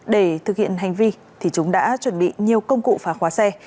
để thực hiện hành vi thì chúng đã chuẩn bị nhiều công cụ phá khóa xe